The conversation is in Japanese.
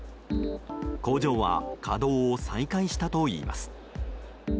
工場は稼働を再開したといいます。